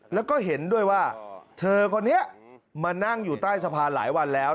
แล้วก็เห็นด้วยว่าเธอคนนี้มานั่งอยู่ใต้สะพานหลายวันแล้ว